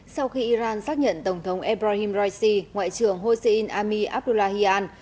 sau khi iran xác nhận tổng thống ebrahim raisi ngoại trưởng hossein ami abdullahian